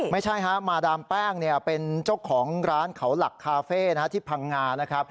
ไม่ใช่ฮะมาดามแป้งเป็นเจ้าของร้านเขาหลักคาเฟ่ที่พังงานะครับ